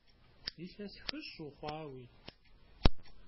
Илъэс хыщӏ ухъуауи?!